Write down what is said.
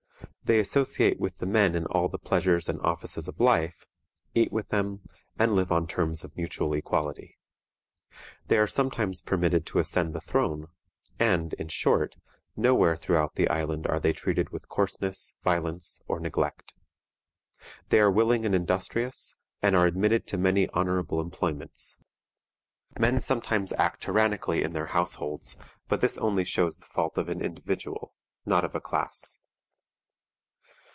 They associate with the men in all the pleasures and offices of life, eat with them, and live on terms of mutual equality. They are sometimes permitted to ascend the throne, and, in short, nowhere throughout the island are they treated with coarseness, violence, or neglect. They are willing and industrious, and are admitted to many honorable employments. Men sometimes act tyrannically in their households, but this only shows the fault of an individual, not of a class.